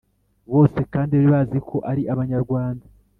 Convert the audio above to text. Bose kandi bari bazi ko ari Abanyarwanda,